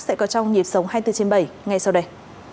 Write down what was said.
sẽ có trong nhịp sống hai mươi bốn trên bảy ngay sau đây